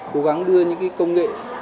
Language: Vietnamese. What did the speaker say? cố gắng đưa những công nghệ